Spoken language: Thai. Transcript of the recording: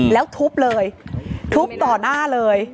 แล้วทุบเลยทุบต่อหน้าเลย